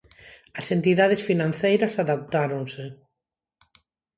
As entidades financeiras adaptáronse.